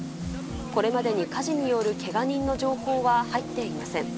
これまでに火事によるけが人の情報は入っていません。